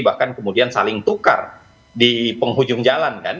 bahkan kemudian saling tukar di penghujung jalan kan